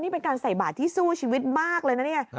นี่เป็นการใส่บาทที่สู้ชีวิตมากเลยนะเนี่ย